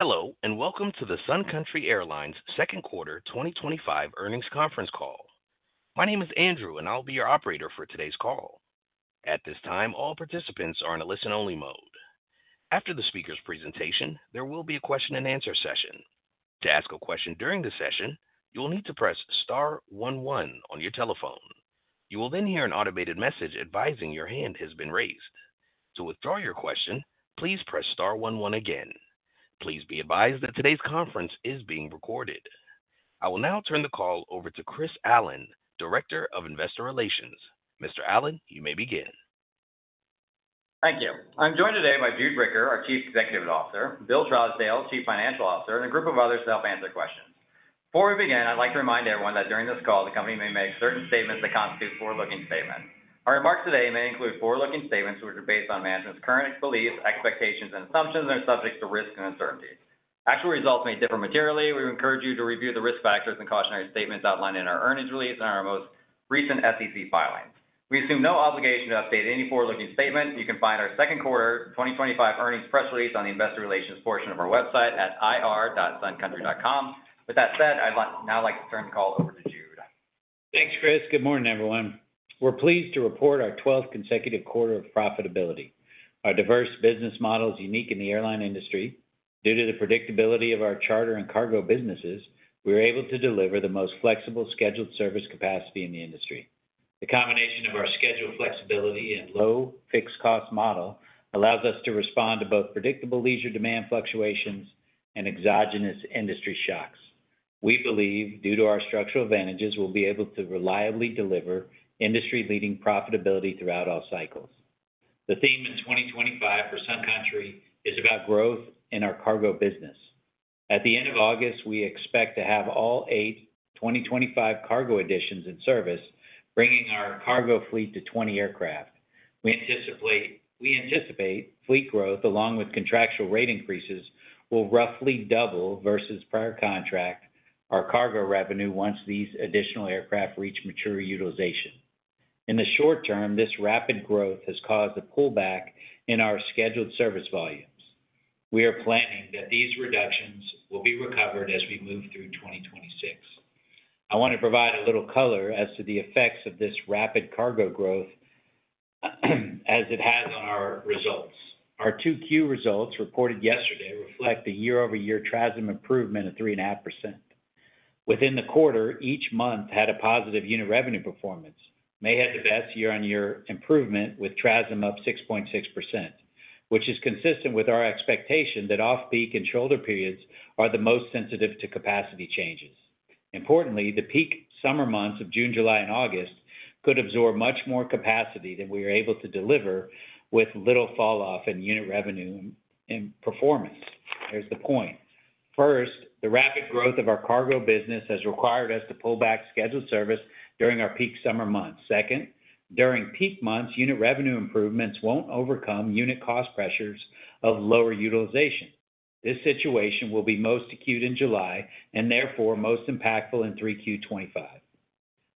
Hello, and welcome to the Sun Country Airlines Second Quarter 2025 Earnings Conference Call. My name is Andrew, and I'll be your operator for today's call. At this time, all participants are in a listen-only mode. After the speaker's presentation, there will be a question and answer session. To ask a question during the session, you will need to press star one one on your telephone. You will then hear an automated message advising your hand has been raised. To withdraw your question, please press star one one again. Please be advised that today's conference is being recorded. I will now turn the call over to Chris Allen, Director of Investor Relations. Mr. Allen, you may begin. Thank you. I'm joined today by Jude Bricker, our Chief Executive Officer, Bill Trousdale, Chief Financial Officer, and a group of others to help answer questions. Before we begin, I'd like to remind everyone that during this call, the company may make certain statements that constitute forward-looking statements. Our remarks today may include forward-looking statements, which are based on management's current beliefs, expectations, and assumptions that are subject to risk and uncertainty. Actual results may differ materially. We encourage you to review the risk factors and cautionary statements outlined in our earnings release and our most recent SEC filings. We assume no obligation to update any forward-looking statement. You can find our second quarter 2025 earnings press release on the Investor Relations portion of our website at ir.suncountry.com. With that said, I'd now like to turn the call over to Jude. Thanks, Chris. Good morning, everyone. We're pleased to report our 12th consecutive quarter of profitability. Our diverse business model is unique in the airline industry. Due to the predictability of our charter and cargo businesses, we are able to deliver the most flexible scheduled service capacity in the industry. The combination of our scheduled flexibility and low fixed cost model allows us to respond to both predictable leisure demand fluctuations and exogenous industry shocks. We believe, due to our structural advantages, we'll be able to reliably deliver industry-leading profitability throughout all cycles. The theme in 2025 for Sun Country is about growth in our cargo business. At the end of August, we expect to have all eight 2025 cargo additions in service, bringing our cargo fleet to 20 aircraft. We anticipate fleet growth, along with contractual rate increases, will roughly double versus prior contract our cargo revenue once these additional aircraft reach mature utilization. In the short term, this rapid growth has caused a pullback in our scheduled service volumes. We are planning that these reductions will be recovered as we move through 2026. I want to provide a little color as to the effects of this rapid cargo growth as it has on our results. Our 2Q results reported yesterday reflect the year-over-year TRASM improvement of 3.5%. Within the quarter, each month had a positive unit revenue performance. May had the best year-on-year improvement with TRASM up 6.6%, which is consistent with our expectation that off-peak and shoulder periods are the most sensitive to capacity changes. Importantly, the peak summer months of June, July, and August could absorb much more capacity than we are able to deliver with little fall off in unit revenue and performance. Here's the point. First, the rapid growth of our cargo business has required us to pull back scheduled service during our peak summer months. Second, during peak months, unit revenue improvements won't overcome unit cost pressures of lower utilization. This situation will be most acute in July and therefore most impactful in Q3 2025.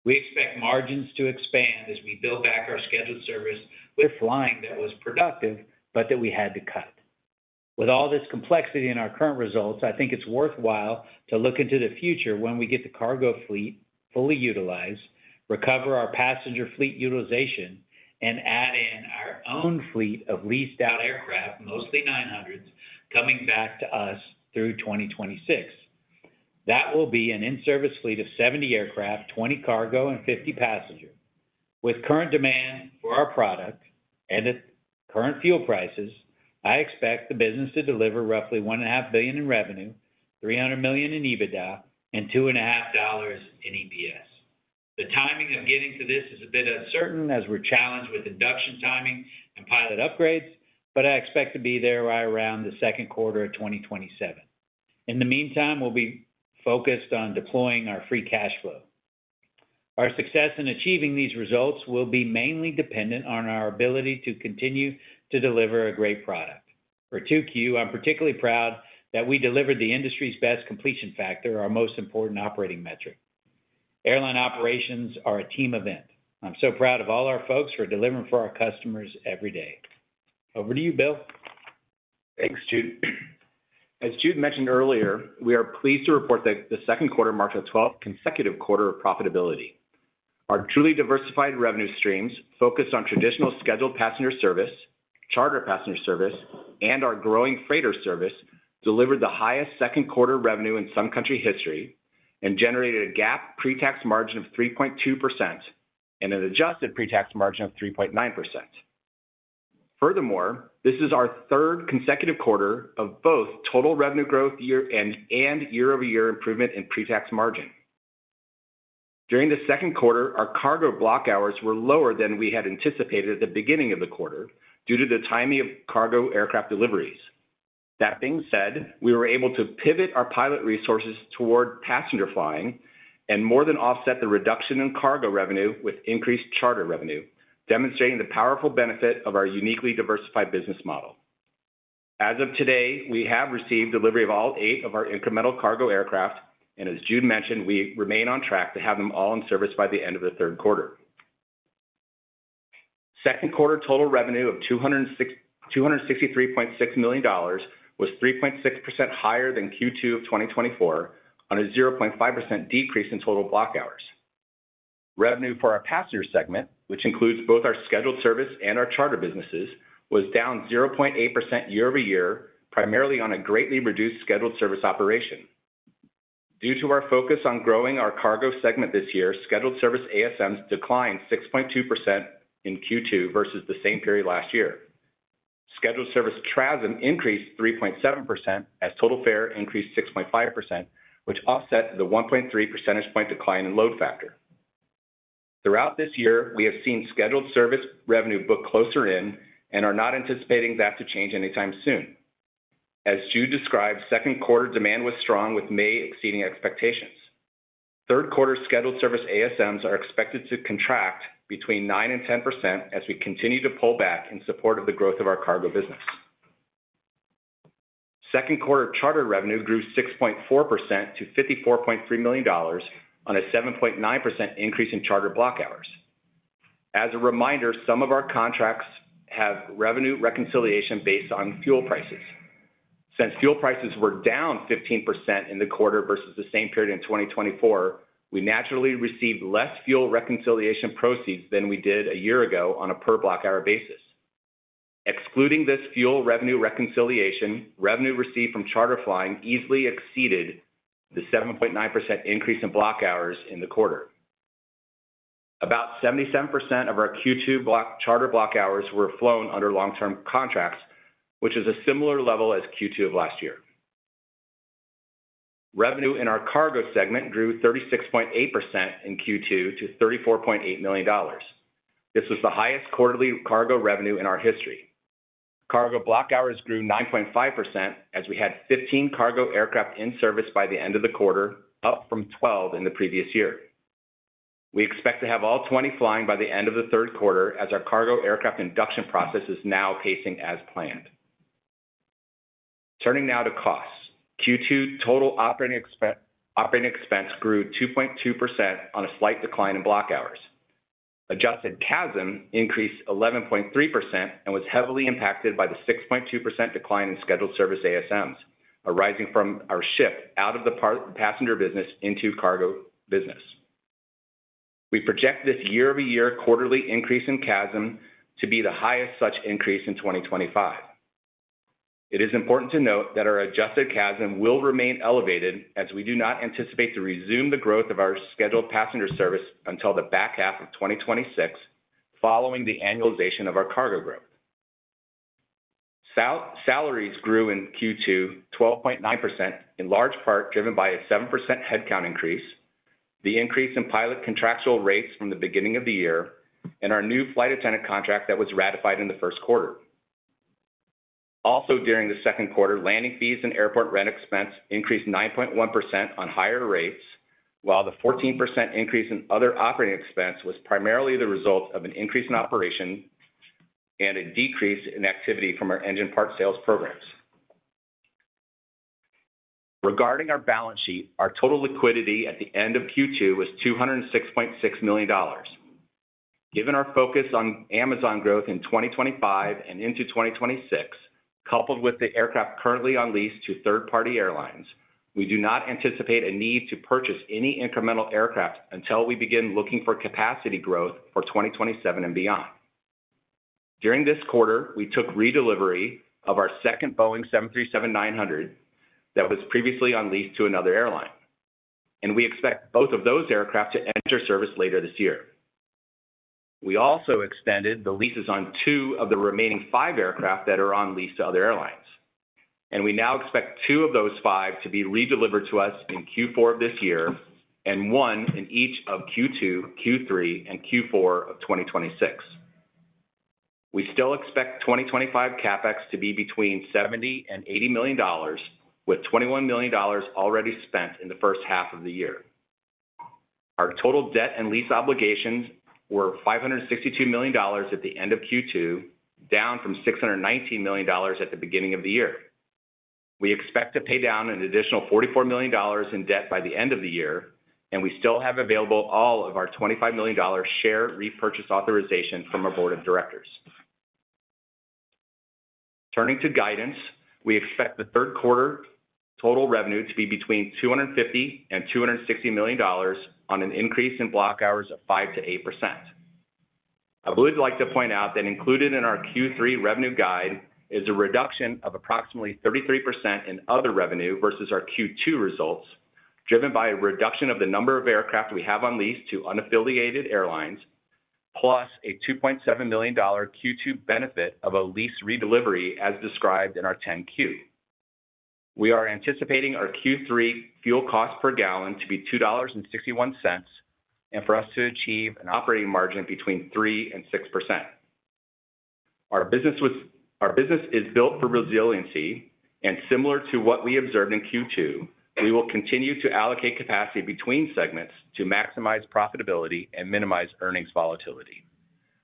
We expect margins to expand as we build back our scheduled service with flying that was productive, but that we had to cut. With all this complexity in our current results, I think it's worthwhile to look into the future when we get the cargo fleet fully utilized, recover our passenger fleet utilization, and add in our own fleet of leased-out aircraft, mostly 900s, coming back to us through 2026. That will be an in-service fleet of 70 aircraft, 20 cargo, and 50 passengers. With current demand for our product and at current fuel prices, I expect the business to deliver roughly $1.5 billion in revenue, $300 million in EBITDA, and $2.5 in EPS. The timing of getting to this is a bit uncertain as we're challenged with induction timing and pilot upgrades, but I expect to be there right around the second quarter of 2027. In the meantime, we'll be focused on deploying our free cash flow. Our success in achieving these results will be mainly dependent on our ability to continue to deliver a great product. For 2Q, I'm particularly proud that we delivered the industry's best completion factor, our most important operating metric. Airline operations are a team event. I'm so proud of all our folks for delivering for our customers every day. Over to you, Bill. Thanks, Jude. As Jude mentioned earlier, we are pleased to report that the second quarter marked a 12th consecutive quarter of profitability. Our truly diversified revenue streams focused on traditional scheduled passenger service, charter passenger service, and our growing freighter service delivered the highest second quarter revenue in Sun Country history and generated a GAAP pre-tax margin of 3.2% and an adjusted pre-tax margin of 3.9%. Furthermore, this is our third consecutive quarter of both total revenue growth year-end and year-over-year improvement in pre-tax margin. During the second quarter, our cargo block hours were lower than we had anticipated at the beginning of the quarter due to the timing of cargo aircraft deliveries. That being said, we were able to pivot our pilot resources toward passenger flying and more than offset the reduction in cargo revenue with increased charter revenue, demonstrating the powerful benefit of our uniquely diversified business model. As of today, we have received delivery of all eight of our incremental cargo aircraft, and as Jude mentioned, we remain on track to have them all in service by the end of the third quarter. Second quarter total revenue of $263.6 million was 3.6% higher than Q2 of 2024 on a 0.5% decrease in total block hours. Revenue for our passenger segment, which includes both our scheduled service and our charter businesses, was down 0.8% year-over-year, primarily on a greatly reduced scheduled service operation. Due to our focus on growing our cargo segment this year, scheduled service ASMs declined 6.2% in Q2 versus the same period last year. Scheduled service TRASM increased 3.7% as total fare increased 6.5%, which offset the 1.3 percentage point decline in load factor. Throughout this year, we have seen scheduled service revenue book closer in and are not anticipating that to change anytime soon. As Jude described, second quarter demand was strong, with May exceeding expectations. Third quarter scheduled service ASMs are expected to contract between 9% and 10% as we continue to pull back in support of the growth of our cargo business. Second quarter charter revenue grew 6.4% to $54.3 million on a 7.9% increase in charter block hours. As a reminder, some of our contracts have revenue reconciliation based on fuel prices. Since fuel prices were down 15% in the quarter versus the same period in 2024, we naturally received less fuel reconciliation proceeds than we did a year ago on a per-block hour basis. Excluding this fuel revenue reconciliation, revenue received from charter flying easily exceeded the 7.9% increase in block hours in the quarter. About 77% of our Q2 charter block hours were flown under long-term contracts, which is a similar level as Q2 of last year. Revenue in our cargo segment grew 36.8% in Q2 to $34.8 million. This was the highest quarterly cargo revenue in our history. Cargo block hours grew 9.5% as we had 15 cargo aircraft in service by the end of the quarter, up from 12 in the previous year. We expect to have all 20 flying by the end of the third quarter as our cargo aircraft induction process is now casing as planned. Turning now to costs, Q2 total operating expense grew 2.2% on a slight decline in block hours. Adjusted CASM increased 11.3% and was heavily impacted by the 6.2% decline in scheduled service ASMs, arising from our shift out of the passenger business into cargo business. We project this year-over-year quarterly increase in CASM to be the highest such increase in 2025. It is important to note that our adjusted CASM will remain elevated as we do not anticipate to resume the growth of our scheduled passenger service until the back half of 2026 following the annualization of our cargo growth. Salaries grew in Q2 12.9%, in large part driven by a 7% headcount increase, the increase in pilot contractual rates from the beginning of the year, and our new flight attendant contract that was ratified in the first quarter. Also, during the second quarter, landing fees and airport rent expense increased 9.1% on higher rates, while the 14% increase in other operating expense was primarily the result of an increase in operation and a decrease in activity from our engine part sales programs. Regarding our balance sheet, our total liquidity at the end of Q2 was $206.6 million. Given our focus on Amazon growth in 2025 and into 2026, coupled with the aircraft currently on lease to third-party airlines, we do not anticipate a need to purchase any incremental aircraft until we begin looking for capacity growth for 2027 and beyond. During this quarter, we took redelivery of our second Boeing 737-900 that was previously on lease to another airline, and we expect both of those aircraft to enter service later this year. We also extended the leases on two of the remaining five aircraft that are on lease to other airlines, and we now expect two of those five to be redelivered to us in Q4 of this year and one in each of Q2, Q3, and Q4 of 2026. We still expect 2025 CapEx to be between $70 million and $80 million, with $21 million already spent in the first half of the year. Our total debt and lease obligations were $562 million at the end of Q2, down from $619 million at the beginning of the year. We expect to pay down an additional $44 million in debt by the end of the year, and we still have available all of our $25 million share repurchase authorization from our Board of Directors. Turning to guidance, we expect the third quarter total revenue to be between $250 million and $260 million on an increase in block hours of 5%-8%. I would like to point out that included in our Q3 revenue guide is a reduction of approximately 33% in other revenue versus our Q2 results, driven by a reduction of the number of aircraft we have on lease to unaffiliated airlines, plus a $2.7 million Q2 benefit of a lease redelivery as described in our 10Q. We are anticipating our Q3 fuel cost per gallon to be $2.61 and for us to achieve an operating margin between 3% and 6%. Our business is built for resiliency, and similar to what we observed in Q2, we will continue to allocate capacity between segments to maximize profitability and minimize earnings volatility.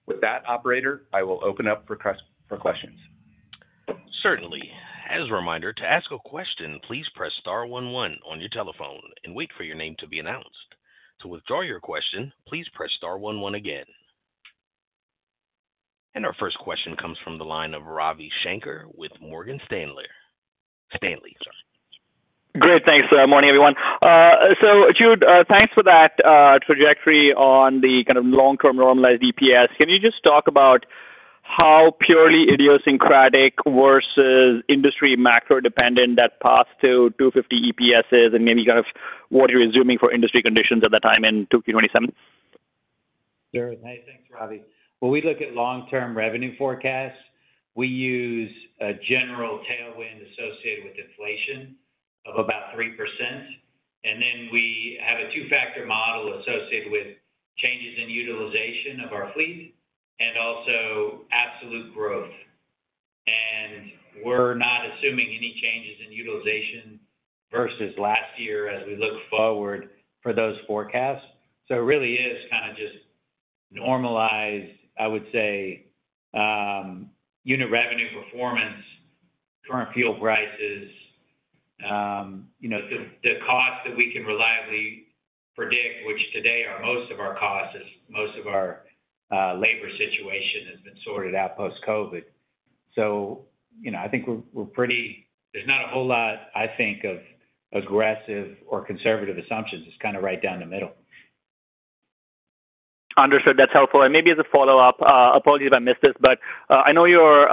With that, operator, I will open up for questions. Certainly. As a reminder, to ask a question, please press star one one on your telephone and wait for your name to be announced. To withdraw your question, please press star one one again. Our first question comes from the line of Ravi Shanker with Morgan Stanley. Great, thanks. Good morning, everyone. Jude, thanks for that trajectory on the kind of long-term normalized EPS. Can you just talk about how purely idiosyncratic versus industry macro-dependent that path to $2.50 EPS is and maybe kind of what you're assuming for industry conditions at the time in 2Q 2027? Sure. Thanks, Ravi. When we look at long-term revenue forecasts, we use a general tailwind associated with inflation of about 3%, and then we have a two-factor model associated with changes in utilization of our fleet and also absolute growth. We're not assuming any changes in utilization versus last year as we look forward for those forecasts. It really is kind of just normalized, I would say, unit revenue performance, current fuel prices, the costs that we can reliably predict, which today are most of our costs as most of our labor situation has been sorted out post-COVID. I think we're pretty, there's not a whole lot, I think, of aggressive or conservative assumptions. It's kind of right down the middle. Understood. That's helpful. Maybe as a follow-up, apologies if I missed this, but I know your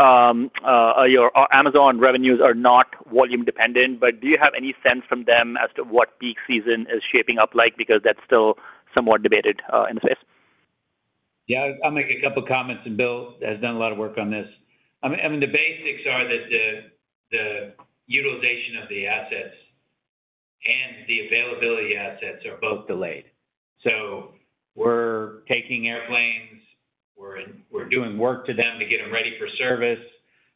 Amazon revenues are not volume-dependent. Do you have any sense from them as to what peak season is shaping up like? That's still somewhat debated in the space. I'll make a couple of comments, and Bill has done a lot of work on this. The basics are that the utilization of the assets and the availability of assets are both delayed. We're taking airplanes, we're doing work to them to get them ready for service.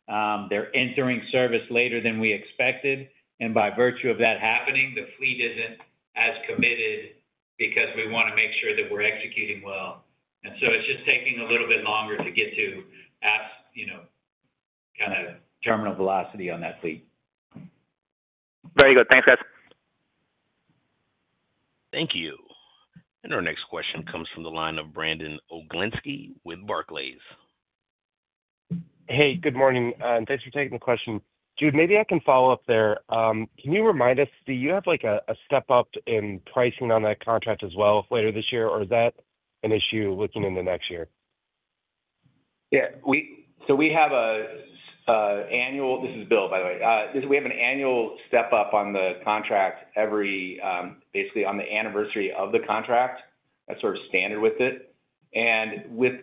They're entering service later than we expected, and by virtue of that happening, the fleet isn't as committed because we want to make sure that we're executing well. It's just taking a little bit longer to get to, you know, kind of terminal velocity on that fleet. Very good. Thanks, guys. Thank you. Our next question comes from the line of Brandon Oglenski with Barclays. Hey, good morning, and thanks for taking the question. Jude, maybe I can follow up there. Can you remind us, do you have like a step up in pricing on that contract as well later this year, or is that an issue looking into next year? Yeah, we have an annual, this is Bill, by the way, we have an annual step up on the contract basically on the anniversary of the contract. That's sort of standard with it. With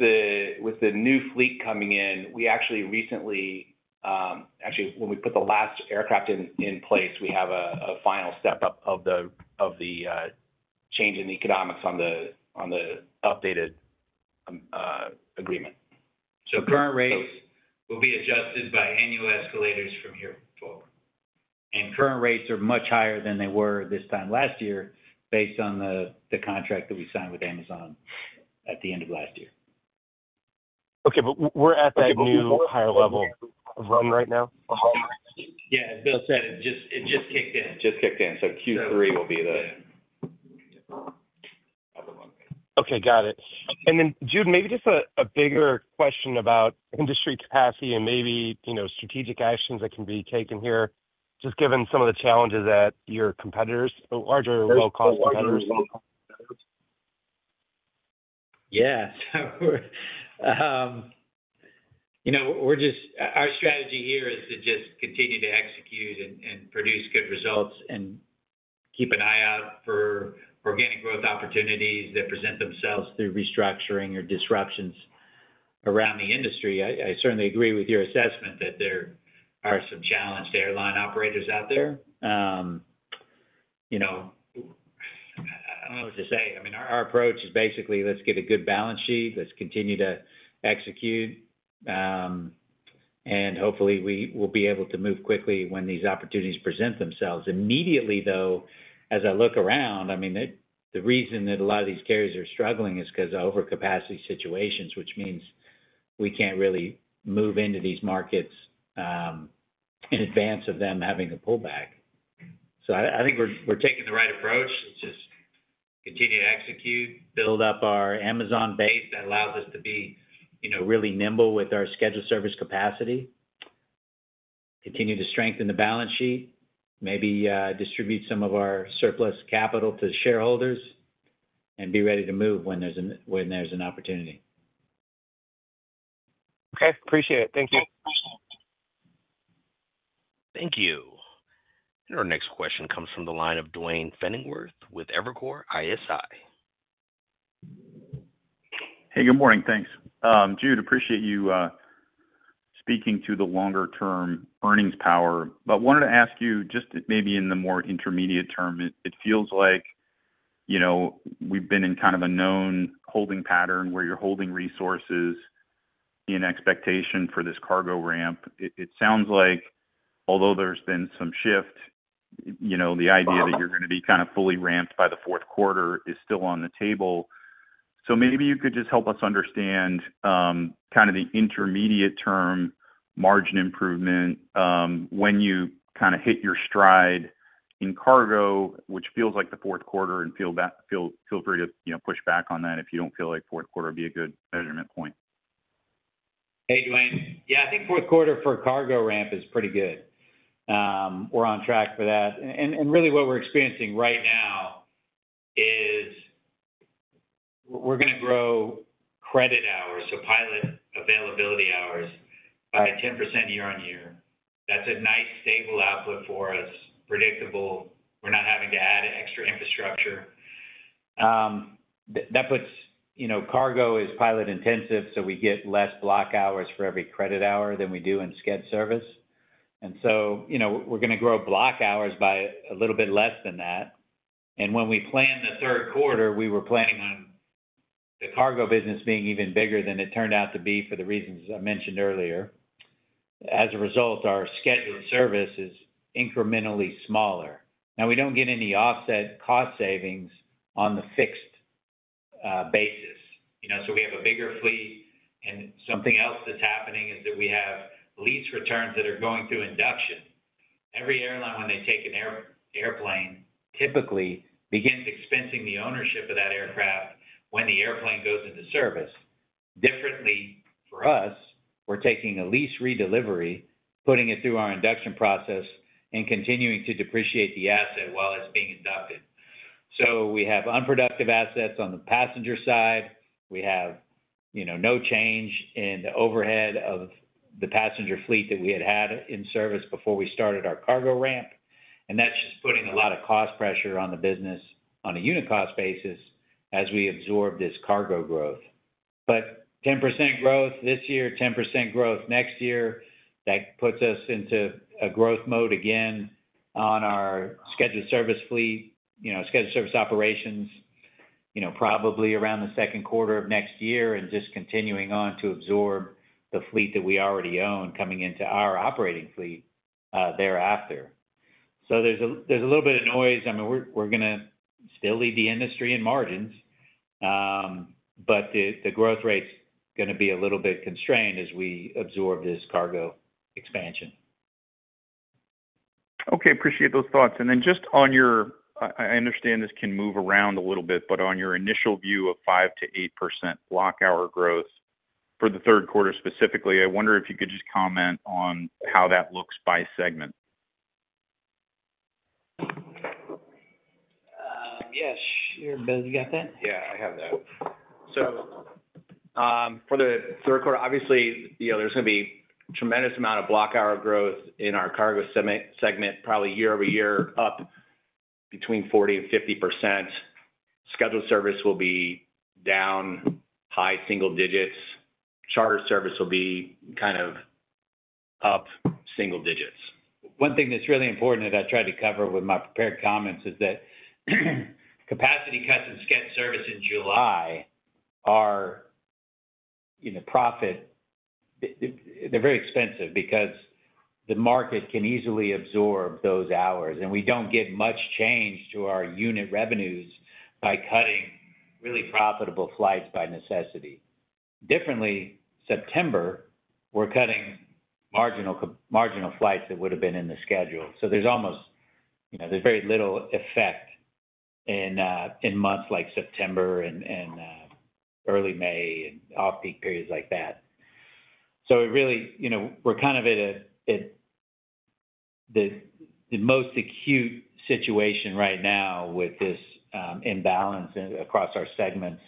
the new fleet coming in, when we put the last aircraft in place, we have a final step up of the change in the economics on the updated agreement. Current rates will be adjusted by annual escalators from here forward, and current rates are much higher than they were this time last year based on the contract that we signed with Amazon at the end of last year. Okay, we're at that new higher level run right now? Yeah, as Bill Trousdale said, it just kicked in. Just kicked in. Q3 will be the. Okay, got it. Jude, maybe just a bigger question about industry capacity and maybe, you know, strategic actions that can be taken here, just given some of the challenges that your competitors, larger low-cost competitors. Yeah, you know, our strategy here is to just continue to execute and produce good results and keep an eye out for organic growth opportunities that present themselves through restructuring or disruptions around the industry. I certainly agree with your assessment that there are some challenged airline operators out there. I don't know what to say. Our approach is basically, let's get a good balance sheet, let's continue to execute, and hopefully we will be able to move quickly when these opportunities present themselves. Immediately, as I look around, the reason that a lot of these carriers are struggling is because of overcapacity situations, which means we can't really move into these markets in advance of them having the pullback. I think we're taking the right approach. It's just continue to execute, build up our Amazon base that allows us to be really nimble with our scheduled service capacity, continue to strengthen the balance sheet, maybe distribute some of our surplus capital to shareholders, and be ready to move when there's an opportunity. Okay, appreciate it. Thank you. Thank you. Our next question comes from the line of Duane Pfennigwerth with Evercore ISI. Hey, good morning. Thanks. Jude, appreciate you speaking to the longer-term earnings power, but wanted to ask you just maybe in the more intermediate term. It feels like we've been in kind of a known holding pattern where you're holding resources in expectation for this cargo ramp. It sounds like although there's been some shift, the idea that you're going to be kind of fully ramped by the fourth quarter is still on the table. Maybe you could just help us understand the intermediate-term margin improvement, when you kind of hit your stride in cargo, which feels like the fourth quarter, and feel free to push back on that if you don't feel like the fourth quarter would be a good measurement point. Hey, Duane. Yeah, I think fourth quarter for a cargo ramp is pretty good. We're on track for that. Really what we're experiencing right now is we're going to grow credit hours, so pilot availability hours, by 10% year-on-year. That's a nice stable output for us, predictable. We're not having to add extra infrastructure. That puts, you know, cargo is pilot intensive, so we get less block hours for every credit hour than we do in scheduled service. We're going to grow block hours by a little bit less than that. When we planned the third quarter, we were planning on the cargo business being even bigger than it turned out to be for the reasons I mentioned earlier. As a result, our scheduled service is incrementally smaller. We don't get any offset cost savings on the fixed basis. We have a bigger fleet and something else that's happening is that we have lease returns that are going through induction. Every airline, when they take an airplane, typically begins expensing the ownership of that aircraft when the airplane goes into service. Differently for us, we're taking a lease redelivery, putting it through our induction process, and continuing to depreciate the asset while it's being inducted. We have unproductive assets on the passenger side. We have no change in the overhead of the passenger fleet that we had had in service before we started our cargo ramp. That's just putting a lot of cost pressure on the business on a unit cost basis as we absorb this cargo growth. 10% growth this year, 10% growth next year, that puts us into a growth mode again on our scheduled service fleet, scheduled service operations, probably around the second quarter of next year and just continuing on to absorb the fleet that we already own coming into our operating fleet thereafter. There's a little bit of noise. We're going to still lead the industry in margins, but the growth rate's going to be a little bit constrained as we absorb this cargo expansion. Okay, appreciate those thoughts. On your initial view of 5% to 8% block hour growth for the third quarter specifically, I wonder if you could just comment on how that looks by segment. Sure, Bill, you got that? I have that. For the third quarter, obviously, you know, there's going to be a tremendous amount of block hour growth in our cargo segment, probably year-over-year up between 40% and 50%. Scheduled service will be down high single digits. Charter service will be kind of up single digits. One thing that's really important that I tried to cover with my prepared comments is that capacity cuts of scheduled service in July are, you know, profit. They're very expensive because the market can easily absorb those hours, and we don't get much change to our unit revenues by cutting really profitable flights by necessity. Differently, September, we're cutting marginal flights that would have been in the schedule. There's very little effect in months like September and early May and off-peak periods like that. It really, you know, we're kind of at the most acute situation right now with this imbalance across our segments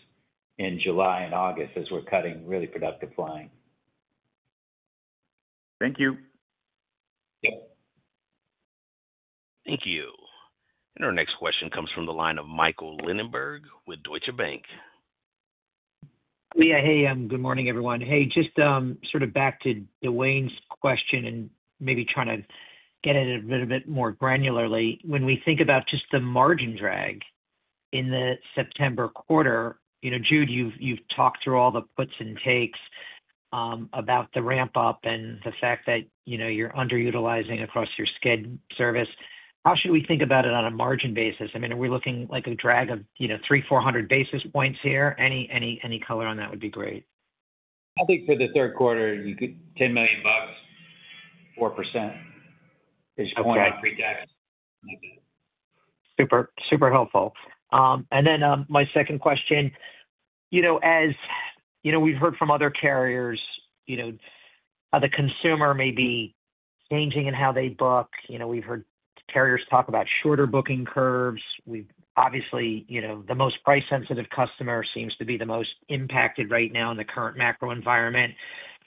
in July and August as we're cutting really productive flying. Thank you. Thank you. Our next question comes from the line of Michael Linenberg with Deutsche Bank. Yeah, hey, good morning, everyone. Just sort of back to Duane's question and maybe trying to get it a little bit more granularly. When we think about just the margin drag in the September quarter, Jude, you've talked through all the puts and takes about the ramp-up and the fact that you're underutilizing across your scheduled service. How should we think about it on a margin basis? I mean, are we looking like a drag of 300, 400 basis points here? Any color on that would be great. I think for the third quarter, you could $10 million, 4% is your point. Okay, got it. Super, super helpful. My second question, as you know, we've heard from other carriers how the consumer may be changing in how they book. We've heard carriers talk about shorter booking curves. Obviously, the most price-sensitive customer seems to be the most impacted right now in the current macro environment.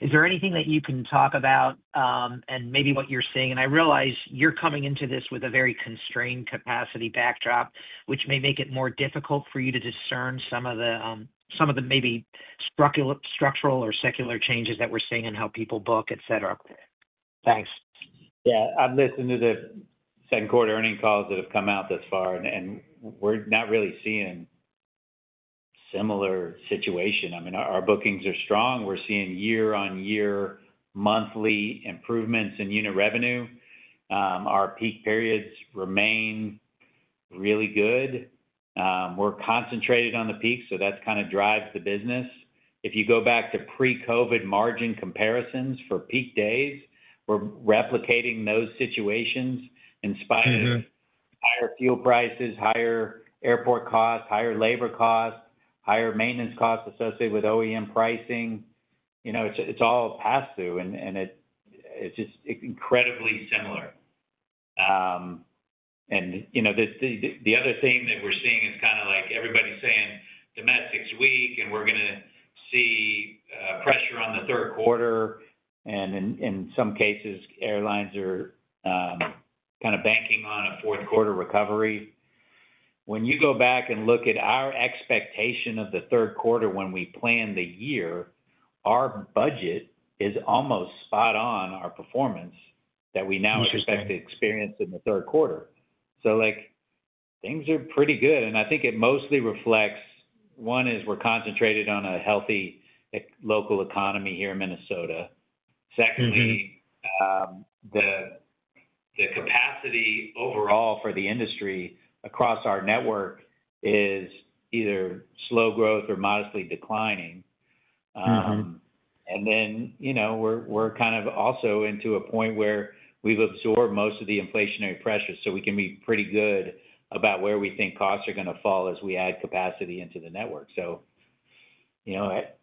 Is there anything that you can talk about and maybe what you're seeing? I realize you're coming into this with a very constrained capacity backdrop, which may make it more difficult for you to discern some of the maybe structural or secular changes that we're seeing in how people book, et cetera. Thanks. Yeah, I'm listening to the 10-quarter earnings calls that have come out thus far, and we're not really seeing a similar situation. I mean, our bookings are strong. We're seeing year-on-year monthly improvements in unit revenue. Our peak periods remain really good. We're concentrated on the peaks, so that kind of drives the business. If you go back to pre-COVID margin comparisons for peak days, we're replicating those situations in spite of higher fuel prices, higher airport costs, higher labor costs, higher maintenance costs associated with OEM pricing. It's all passed through, and it's just incredibly similar. The other thing that we're seeing is kind of like everybody's saying domestic's weak, and we're going to see pressure on the third quarter, and in some cases, airlines are kind of banking on a fourth quarter recovery. When you go back and look at our expectation of the third quarter when we plan the year, our budget is almost spot on our performance that we now expect to experience in the third quarter. Things are pretty good, and I think it mostly reflects, one is we're concentrated on a healthy local economy here in Minnesota. Secondly, the capacity overall for the industry across our network is either slow growth or modestly declining. We're kind of also into a point where we've absorbed most of the inflationary pressure, so we can be pretty good about where we think costs are going to fall as we add capacity into the network.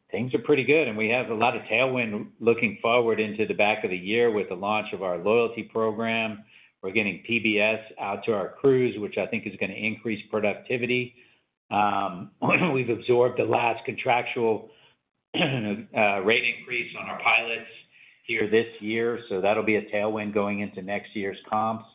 Things are pretty good, and we have a lot of tailwind looking forward into the back of the year with the launch of our loyalty program. We're getting PBS out to our crews, which I think is going to increase productivity. We've absorbed the last contractual rate increase on our pilots here this year, so that'll be a tailwind going into next year's comps.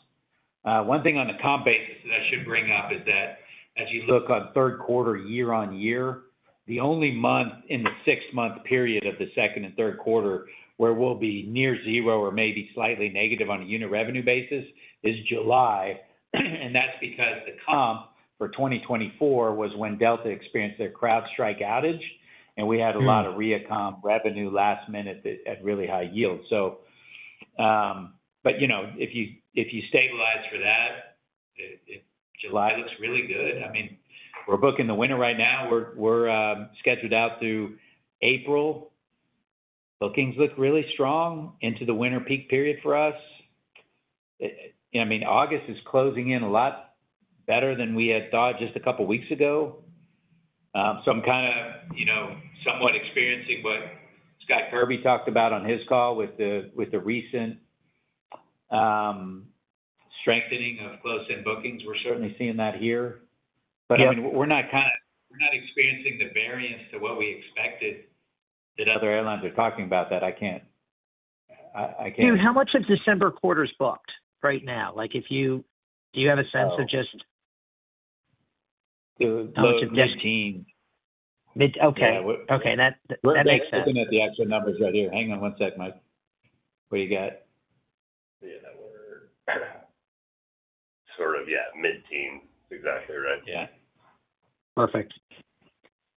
One thing on the comp basis that I should bring up is that as you look on third quarter year-on-year, the only month in the six-month period of the second and third quarter where we'll be near zero or maybe slightly negative on a unit revenue basis is July, and that's because the comp for 2024 was when Delta experienced their CrowdStrike outage, and we had a lot of reacomp revenue last minute at really high yield. If you stabilize for that, July looks really good. I mean, we're booking the winter right now. We're scheduled out through April. Bookings look really strong into the winter peak period for us. August is closing in a lot better than we had thought just a couple of weeks ago. I'm kind of, you know, somewhat experiencing what Scott Kirby talked about on his call with the recent strengthening of close-in bookings. We're certainly seeing that here. We're not experiencing the variance to what we expected that other airlines are talking about that I can't. Jude, how much of December quarter's booked right now? Do you have a sense of just? Okay, that makes sense. Looking at the actual numbers right here. Hang on one sec, Mike. What do you have? Yeah, that was sort of mid-teen, exactly right. Yeah. Perfect.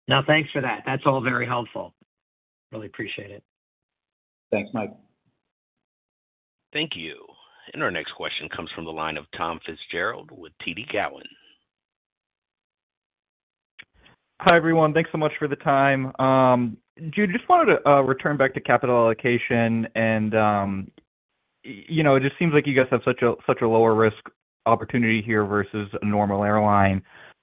No, thanks for that. That's all very helpful. Really appreciate it. Thanks, Mike. Thank you. Our next question comes from the line of Thomas Fitzgerald with TD Cowen. Hi everyone. Thanks so much for the time. Jude, just wanted to return back to capital allocation. It just seems like you guys have such a lower risk opportunity here versus a normal airline.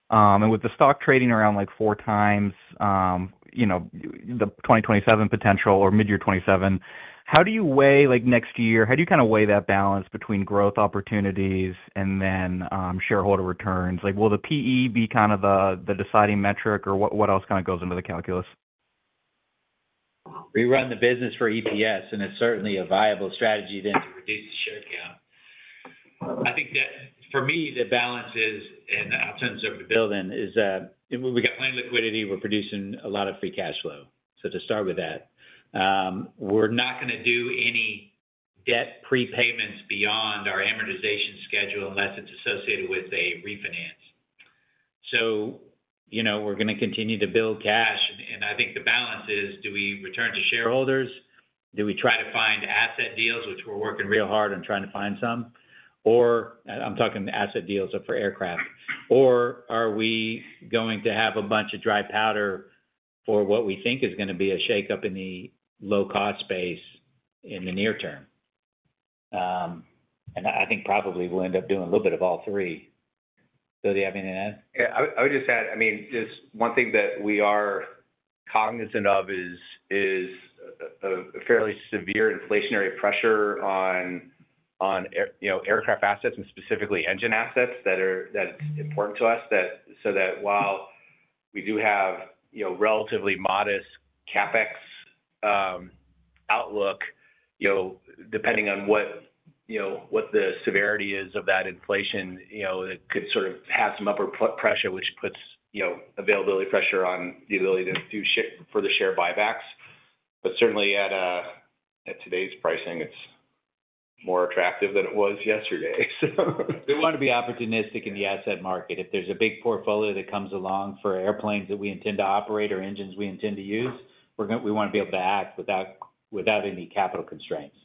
With the stock trading around like four times the 2027 potential or mid-year 2027, how do you weigh next year? How do you kind of weigh that balance between growth opportunities and then shareholder returns? Will the PE be kind of the deciding metric or what else kind of goes into the calculus? We run the business for EPS, and it's certainly a viable strategy to introduce share count. I think that for me, the balance is, and I'll turn this over to Bill then, is that when we got planned liquidity, we're producing a lot of free cash flow. To start with that, we're not going to do any debt prepayments beyond our amortization schedule unless it's associated with a refinance. We're going to continue to build cash, and I think the balance is, do we return to shareholders? Do we try to find asset deals, which we're working real hard on trying to find some? I'm talking asset deals up for aircraft. Are we going to have a bunch of dry powder for what we think is going to be a shakeup in the low-cost space in the near term? I think probably we'll end up doing a little bit of all three. Bill, do you have anything to add? Yeah, I would just add, I mean, just one thing that we are cognizant of is a fairly severe inflationary pressure on, you know, aircraft assets and specifically engine assets that are important to us. While we do have, you know, relatively modest CapEx outlook, depending on what the severity is of that inflation, it could sort of have some upward pressure, which puts availability pressure on the ability to do further share buybacks. Certainly at today's pricing, it's more attractive than it was yesterday. We want to be opportunistic in the asset market. If there's a big portfolio that comes along for airplanes that we intend to operate or engines we intend to use, we want to be able to act without any capital constraints.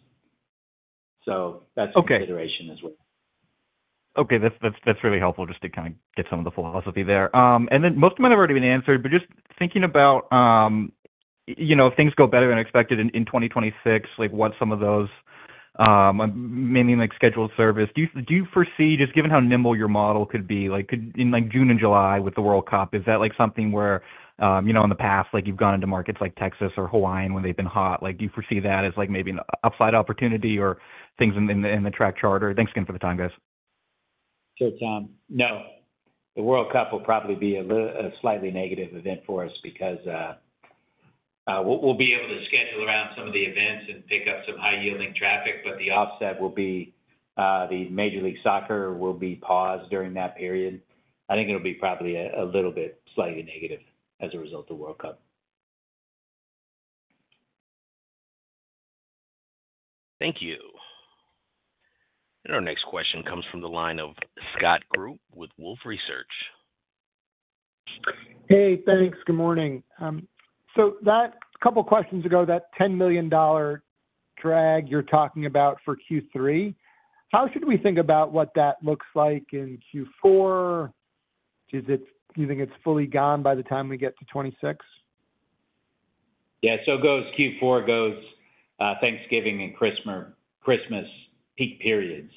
That's a consideration as well. Okay, that's really helpful just to kind of get some of the philosophy there. Most of it might have already been answered, but just thinking about, you know, if things go better than expected in 2026, like what some of those, mainly like scheduled service, do you foresee, just given how nimble your model could be, like in June and July with the World Cup? is that like something where, you know, in the past, like you've gone into markets like Texas or Hawaii and when they've been hot, do you foresee that as maybe an upside opportunity or things in the track charter? Thanks again for the time, guys. Sure, Tom. No, The World Cup will probably be a slightly negative event for us because we'll be able to schedule around some of the events and pick up some high-yielding traffic, but the offset will be, the Major League Soccer will be paused during that period. I think it'll be probably a little bit slightly negative as a result of the World Cup. Thank you. Our next question comes from the line of Scott Group with Wolfe Research. Thank you. Good morning. A couple of questions ago, that $10 million drag you're talking about for Q3, how should we think about what that looks like in Q4? Do you think it's fully gone by the time we get to 2026? Yeah, so it goes Q4, goes Thanksgiving and Christmas peak periods.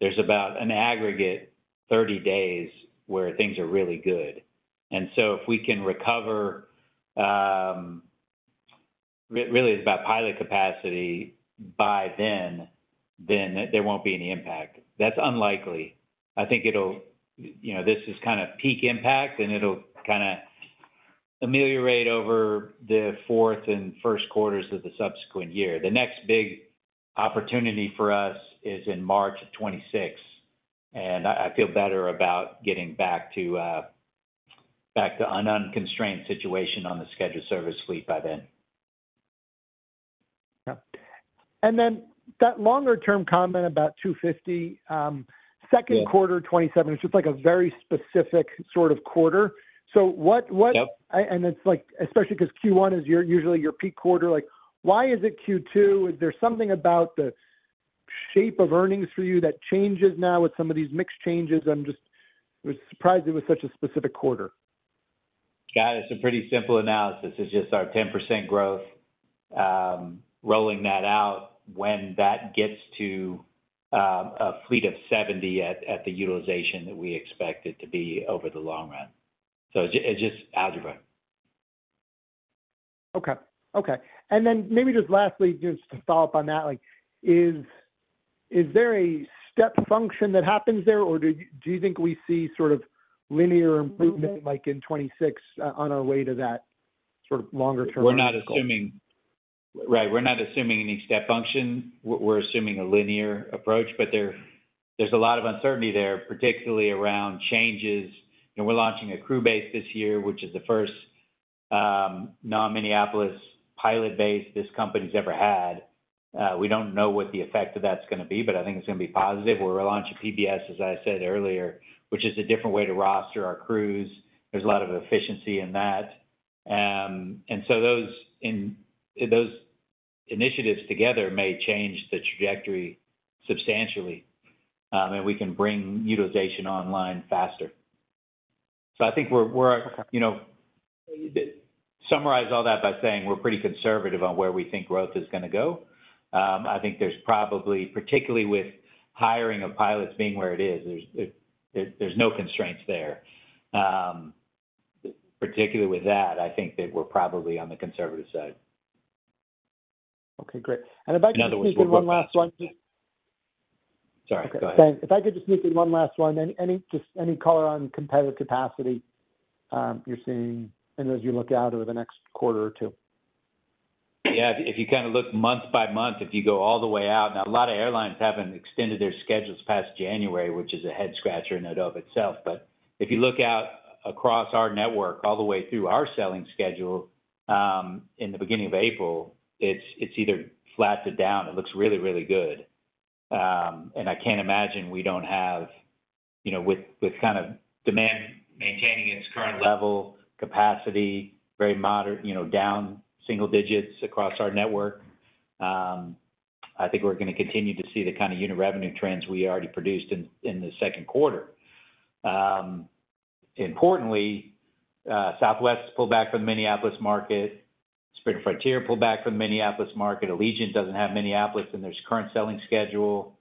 There's about an aggregate 30 days where things are really good. If we can recover, it really is about pilot capacity by then, then there won't be any impact. That's unlikely. I think it'll, you know, this is kind of peak impact and it'll kind of ameliorate over the fourth and first quarters of the subsequent year. The next big opportunity for us is in March of 2026. I feel better about getting back to an unconstrained situation on the scheduled service fleet by then. Yeah, that longer-term comment about $250, second quarter 2027, it's just like a very specific sort of quarter. It's like, especially because Q1 is usually your peak quarter, why is it Q2? Is there something about the shape of earnings for you that changes now with some of these mixed changes? I'm just surprised it was such a specific quarter. Got it. It's a pretty simple analysis. It's just our 10% growth, rolling that out when that gets to a fleet of 70 at the utilization that we expect it to be over the long run. It's just algebra. Okay. Okay. Maybe just lastly, just to follow up on that, is there a step function that happens there, or do you think we see sort of linear improvement like in 2026 on our way to that sort of longer-term? We're not assuming, right? We're not assuming any step function. We're assuming a linear approach, but there's a lot of uncertainty there, particularly around changes. We're launching a crew base this year, which is the first non-Minneapolis pilot base this company's ever had. We don't know what the effect of that's going to be, but I think it's going to be positive. We're launching PBS, as I said earlier, which is a different way to roster our crews. There's a lot of efficiency in that. Those initiatives together may change the trajectory substantially, and we can bring utilization online faster. I think we can summarize all that by saying we're pretty conservative on where we think growth is going to go. I think there's probably, particularly with hiring of pilots being where it is, there's no constraints there. Particularly with that, I think that we're probably on the conservative side. Okay, great. If I could just sneak in one last one, please. Sorry, go ahead. If I could just sneak in one last one, any color on competitive capacity you're seeing as you look out over the next quarter or two? Yeah, if you kind of look month by month, if you go all the way out, now a lot of airlines haven't extended their schedules past January, which is a head-scratcher in and of itself. If you look out across our network all the way through our selling schedule in the beginning of April, it's either flat to down. It looks really, really good. I can't imagine we don't have, you know, with kind of demand maintaining at its current level, capacity very moderate, down single digits across our network. I think we're going to continue to see the kind of unit revenue trends we already produced in the second quarter. Importantly, Southwest's pullback from the Minneapolis market, Spirit Frontier pullback from the Minneapolis market, Allegiant doesn't have Minneapolis in their current selling schedule.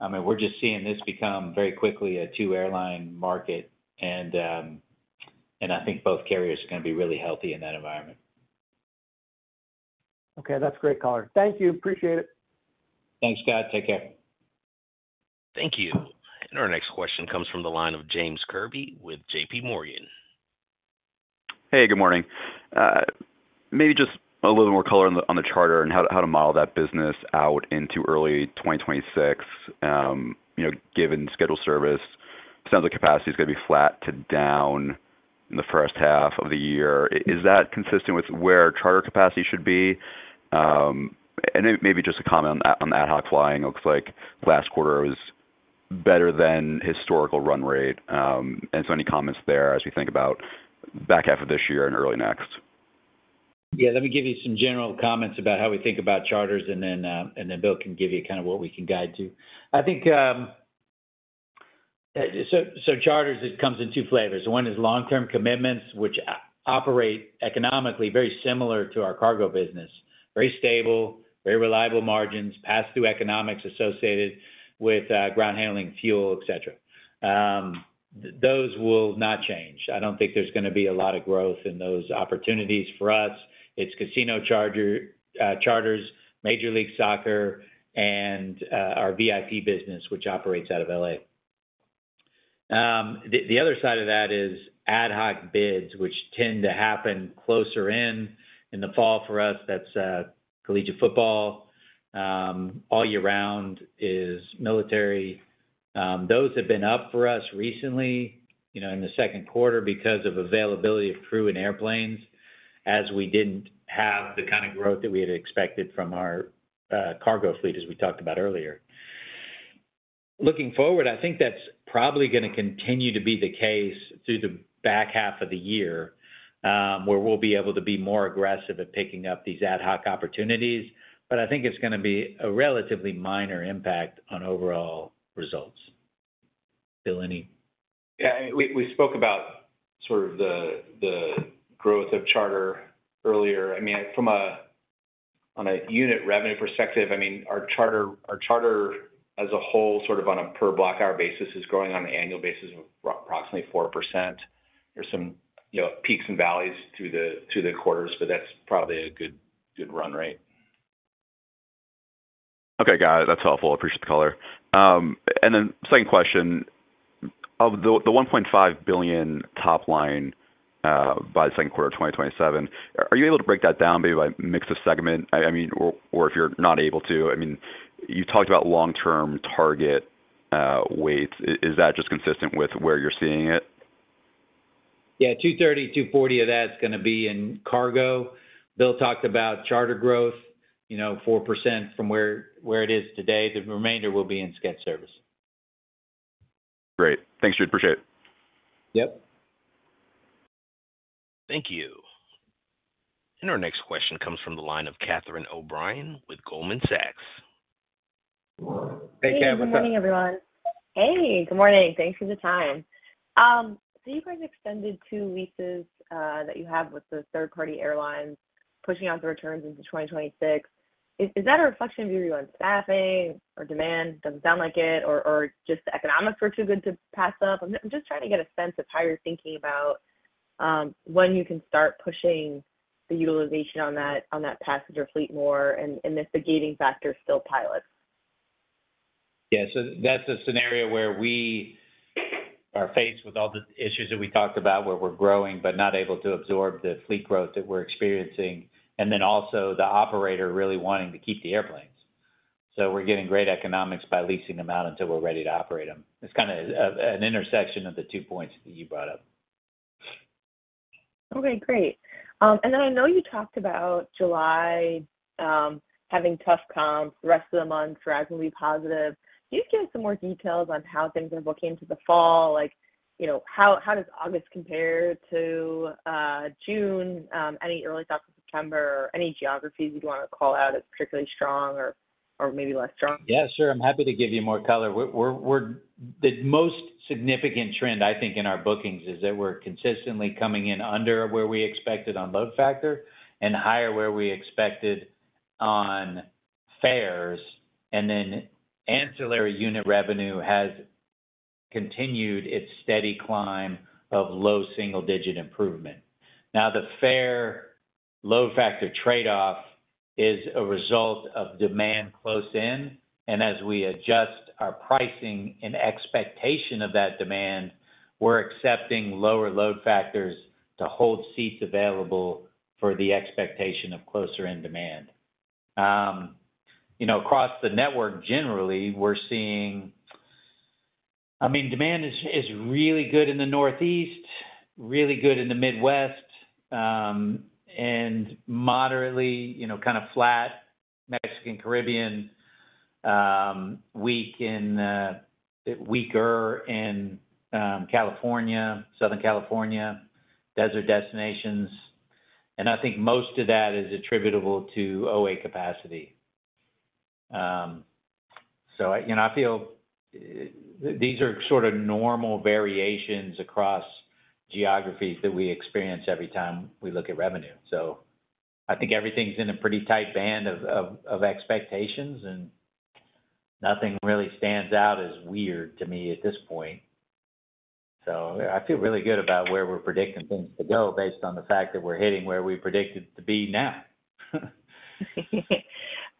We're just seeing this become very quickly a two-airline market. I think both carriers are going to be really healthy in that environment. Okay, that's great color. Thank you. Appreciate it. Thanks, Scott. Take care. Thank you. Our next question comes from the line of James Kirby with JP Morgan. Hey, good morning. Maybe just a little bit more color on the charter and how to model that business out into early 2026. Given scheduled service, it sounds like capacity is going to be flat to down in the first half of the year. Is that consistent with where charter capacity should be? Maybe just a comment on Ad Hoc flying. It looks like last quarter was better than historical run rate. Any comments there as we think about the back half of this year and early next? Yeah, let me give you some general comments about how we think about charters, and then Bill can give you kind of what we can guide to. I think, so charters, it comes in two flavors. One is long-term commitments, which operate economically very similar to our cargo business. Very stable, very reliable margins, pass-through economics associated with ground handling, fuel, et cetera. Those will not change. I don't think there's going to be a lot of growth in those opportunities for us. It's casino charters, Major League Soccer, and our VIP business, which operates out of L.A. The other side of that is Ad Hoc bids, which tend to happen closer in in the fall for us. That's collegiate football. All year round is military. Those have been up for us recently in the second quarter because of availability of crew and airplanes, as we didn't have the kind of growth that we had expected from our cargo fleet, as we talked about earlier. Looking forward, I think that's probably going to continue to be the case through the back half of the year, where we'll be able to be more aggressive at picking up these Ad Hoc opportunities. I think it's going to be a relatively minor impact on overall results. Bill, any? Yeah, I mean, we spoke about sort of the growth of charter earlier. I mean, from a unit revenue perspective, our charter as a whole, on a per-block hour basis, is growing on an annual basis of approximately 4%. There are some peaks and valleys through the quarters, but that's probably a good run rate. Okay, got it. That's helpful. I appreciate the color. Second question, of the $1.5 billion top line by the second quarter of 2027, are you able to break that down maybe by mix of segment? I mean, or if you're not able to, you talked about long-term target weights. Is that just consistent with where you're seeing it? Yeah, $230, $240 of that's going to be in cargo. Bill Trousdale talked about charter growth, you know, 4% from where it is today. The remainder will be in scheduled service. Great. Thanks, Jude. Appreciate it. Yep. Thank you. Our next question comes from the line of Catherine O'Brien with Goldman Sachs. Hey, Catherine. Good morning, everyone. Hey, good morning. Thanks for the time. Do you guys extend the two leases that you have with the third-party airlines, pushing out the returns into 2026? Is that a reflection of your view on staffing or demand? It doesn't sound like it, or just the economics were too good to pass up. I'm just trying to get a sense of how you're thinking about when you can start pushing the utilization on that passenger fleet more, and if the gating factor is still pilots? That's a scenario where we are faced with all the issues that we talked about, where we're growing but not able to absorb the fleet growth that we're experiencing, and then also the operator really wanting to keep the airplanes. We're getting great economics by leasing them out until we're ready to operate them. It's kind of an intersection of the two points that you brought up. Okay, great. I know you talked about July having tough comp, the rest of the months rising to be positive. Can you give us some more details on how things are booking into the fall? Like, you know, how does August compare to June? Any early thoughts of September or any geographies you'd want to call out as particularly strong or maybe less strong? Yeah, sure. I'm happy to give you more color. The most significant trend, I think, in our bookings is that we're consistently coming in under where we expected on load factor and higher where we expected on fares. Ancillary unit revenue has continued its steady climb of low single-digit improvement. The fare load factor trade-off is a result of demand close in, and as we adjust our pricing in expectation of that demand, we're accepting lower load factors to hold seats available for the expectation of closer in demand. Across the network, generally, we're seeing demand is really good in the Northeast, really good in the Midwest, and moderately, you know, kind of flat Mexican Caribbean, weaker in California, Southern California, desert destinations. I think most of that is attributable to OA capacity. I feel that these are sort of normal variations across geographies that we experience every time we look at revenue. I think everything's in a pretty tight band of expectations, and nothing really stands out as weird to me at this point. I feel really good about where we're predicting things to go based on the fact that we're hitting where we predicted to be now.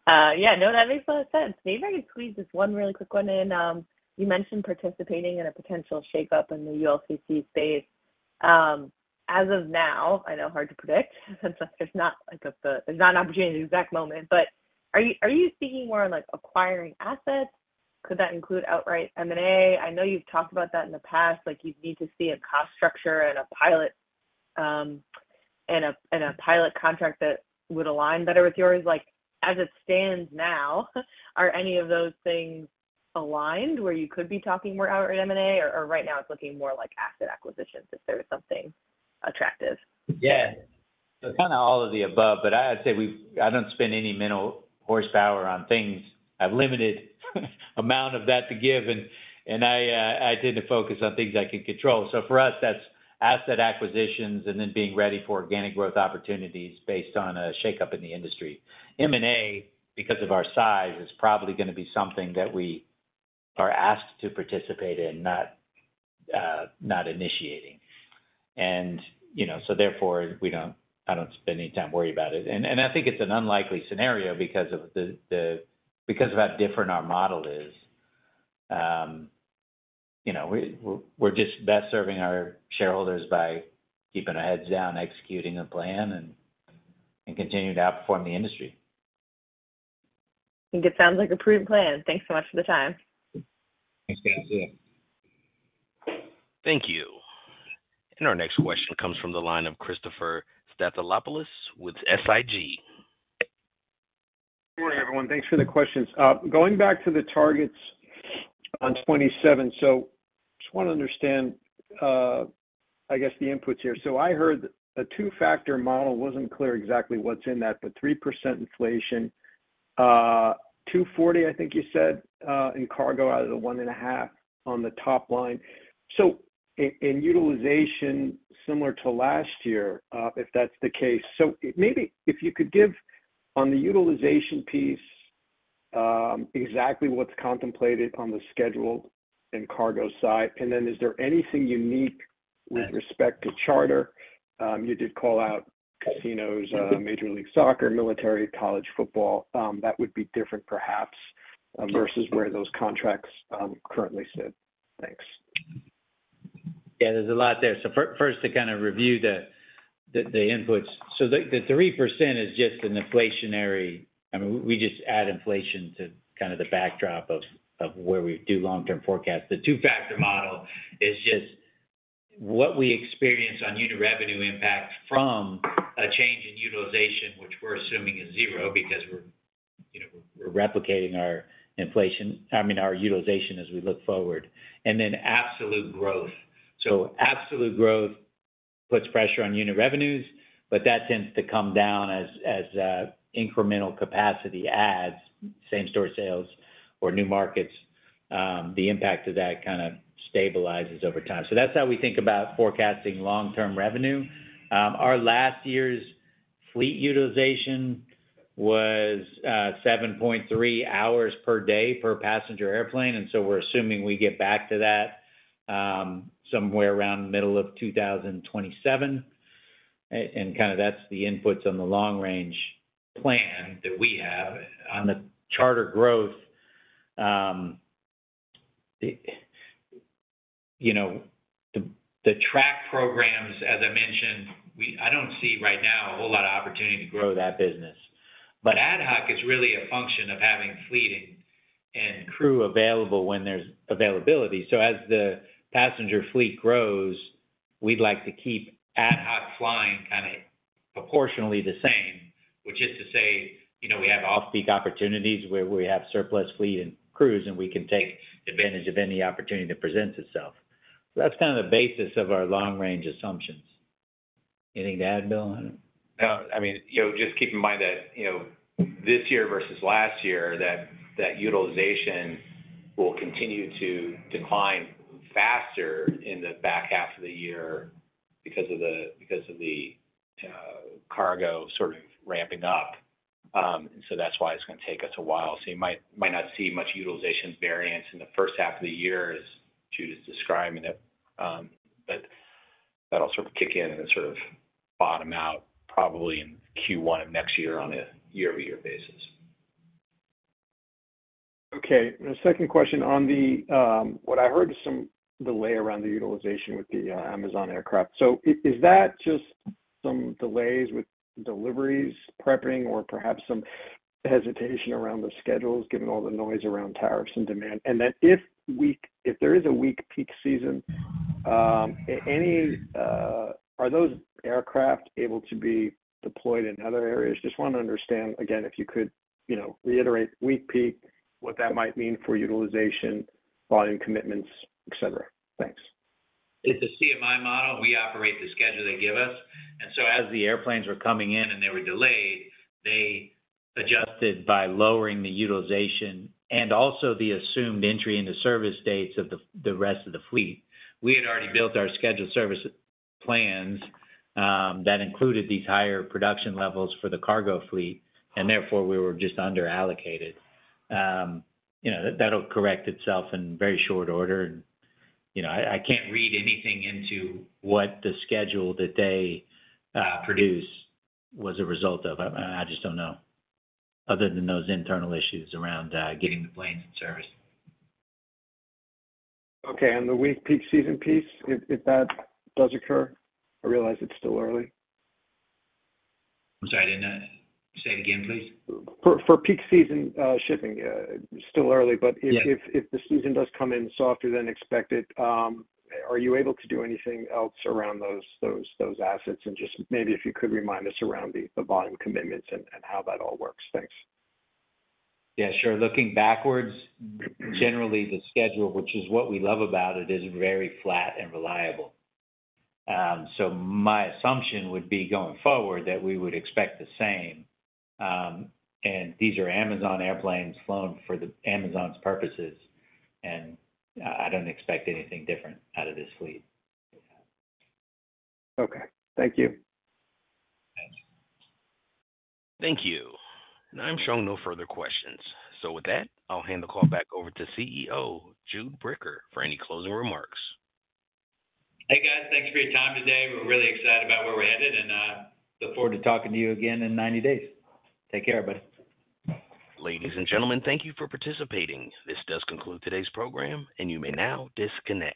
Yeah, no, that makes a lot of sense. Maybe I can squeeze just one really quick one in. You mentioned participating in a potential shakeup in the ULCC space. As of now, I know it's hard to predict. It's not like an opportunity at the exact moment, but are you seeing more on acquiring assets? Could that include outright M&A? I know you've talked about that in the past. You'd need to see a cost structure and a pilot contract that would align better with yours. As it stands now, are any of those things aligned where you could be talking more outright M&A, or right now it's looking more like asset acquisitions if there's something attractive? Yeah, so kind of all of the above, but I'd say we've, I don't spend any mental horsepower on things. I have a limited amount of that to give, and I tend to focus on things I can control. For us, that's asset acquisitions and then being ready for organic growth opportunities based on a shakeup in the industry. M&A, because of our size, is probably going to be something that we are asked to participate in, not initiating. Therefore, we don't, I don't spend any time worrying about it. I think it's an unlikely scenario because of how different our model is. We're just best serving our shareholders by keeping our heads down, executing a plan, and continuing to outperform the industry. I think it sounds like a prudent plan. Thanks so much for the time. Thanks, guys. Yeah. Thank you. Our next question comes from the line of Christopher Stathoulopoulos with SIG. Good morning everyone. Thanks for the questions. Going back to the targets on 2027, I just want to understand, I guess, the inputs here. I heard a two-factor model, wasn't clear exactly what's in that, but 3% inflation, $240, I think you said, in cargo out of the 1/2 on the top line. In utilization, similar to last year, if that's the case. Maybe if you could give on the utilization piece exactly what's contemplated on the scheduled and cargo side, and then is there anything unique with respect to charter? You did call out casinos, Major League Soccer, military, college football. That would be different perhaps versus where those contracts currently sit. Thanks. Yeah, there's a lot there. First, to kind of review the inputs. The 3% is just an inflationary, I mean, we just add inflation to kind of the backdrop of where we do long-term forecast. The two-factor model is just what we experience on unit revenue impact from a change in utilization, which we're assuming is zero because we're replicating our inflation, I mean, our utilization as we look forward. Then absolute growth. Absolute growth puts pressure on unit revenues, but that tends to come down as incremental capacity adds, same-store sales or new markets. The impact of that kind of stabilizes over time. That's how we think about forecasting long-term revenue. Our last year's fleet utilization was 7.3 hours per day per passenger airplane, and we're assuming we get back to that somewhere around the middle of 2027. That's the inputs on the long-range plan that we have. On the charter growth, the track programs, as I mentioned, I don't see right now a whole lot of opportunity to grow that business. Ad Hoc is really a function of having fleet and crew available when there's availability. As the passenger fleet grows, we'd like to keep Ad Hoc flying kind of proportionately the same, which is to say, we have off-peak opportunities where we have surplus fleet and crews, and we can take advantage of any opportunity that presents itself. That's kind of the basis of our long-range assumptions. Anything to add, Bill? Just keep in mind that this year versus last year, that utilization will continue to decline faster in the back half of the year because of the cargo sort of ramping up. That's why it's going to take us a while. You might not see much utilization variance in the first half of the year as Jude is describing it. That'll sort of kick in and bottom out probably in Q1 of next year on a year-over-year basis. Okay. A second question on the, what I heard is some delay around the utilization with the Amazon aircraft. Is that just some delays with deliveries prepping or perhaps some hesitation around the schedules, given all the noise around tariffs and demand? If there is a weak peak season, are those aircraft able to be deployed in other areas? I just want to understand, again, if you could reiterate weak peak, what that might mean for utilization, volume commitments, et cetera. Thanks. It's a ACMI model. We operate the schedule they give us. As the airplanes were coming in and they were delayed, they adjusted by lowering the utilization and also the assumed entry into service dates of the rest of the fleet. We had already built our scheduled service plans that included these higher production levels for the cargo fleet, and therefore we were just under-allocated. That'll correct itself in very short order. I can't read anything into what the schedule that they produce was a result of. I just don't know, other than those internal issues around getting the planes in service. Okay. If the weak peak season piece does occur, I realize it's still early. I'm sorry, could you say it again, please. For peak season shipping, still early, but if the season does come in softer than expected, are you able to do anything else around those assets? Maybe if you could remind us around the volume commitments and how that all works. Thanks. Yeah, sure. Looking backwards, generally the schedule, which is what we love about it, is very flat and reliable. My assumption would be going forward that we would expect the same. These are Amazon airplanes flown for Amazon's purposes, and I don't expect anything different out of this fleet. Okay, thank you. Thank you. I'm showing no further questions. With that, I'll hand the call back over to CEO Jude Bricker for any closing remarks. Hey guys, thanks for your time today. We're really excited about where we're headed and look forward to talking to you again in 90 days. Take care, buddy. Ladies and gentlemen, thank you for participating. This does conclude today's program, and you may now disconnect.